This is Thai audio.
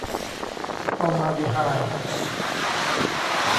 ฟอร์มาลดีไฮด์